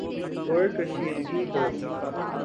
پر کشیدگی ہو،